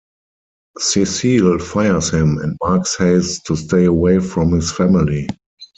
Cecil fires him, and Mark says to stay away from his family.